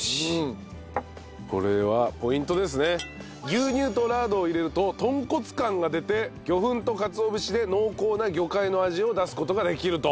牛乳とラードを入れると豚骨感が出て魚粉とかつお節で濃厚な魚介の味を出す事ができると。